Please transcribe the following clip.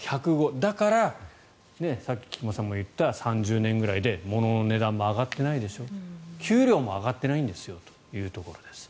だからさっき菊間さんも言った３０年ぐらいでものの値段も上がってないでしょ給料も上がってないというところです。